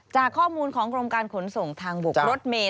จากข้อมูลของกรมการขนส่งทางบกรถเมย์